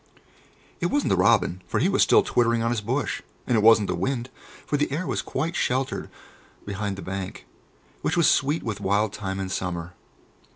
It wasn't the robin, for he was still twittering on his bush, and it wasn't the wind, for the air was quite sheltered behind the bank, which was sweet with wild thyme in summer.